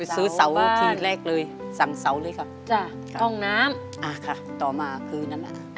ซื้อเสาที่แรกเลยสั่งเสาเลยค่ะต่อมาคือนั้น